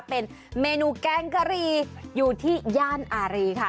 เป็นเมนูแกงกะหรี่อยู่ที่ย่านอารีค่ะ